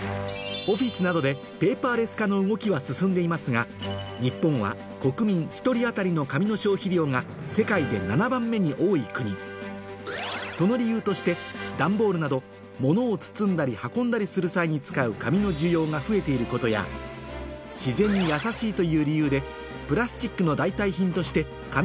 オフィスなどでペーパーレス化の動きは進んでいますが日本は国民一人当たりの紙の消費量が世界で７番目に多い国その理由として段ボールなど物を包んだり運んだりする際に使う紙の需要が増えていることやされていることなどがあります